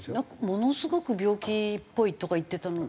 ものすごく病気っぽいとか言ってたの。